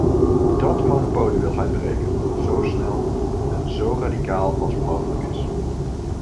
Dat monopolie wil hij breken, zo snel en zo radicaal als mogelijk is.